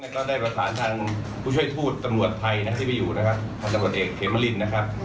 ก็ได้ประสานทางผู้ช่วยทูตตำรวจไทยนะที่ไปอยู่นะครับพันธบรวจเอกเขมรินนะครับ